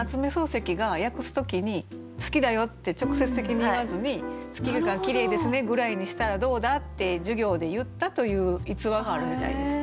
漱石が訳す時に「好きだよ」って直接的に言わずに「月が綺麗ですね」ぐらいにしたらどうだって授業で言ったという逸話があるみたいです。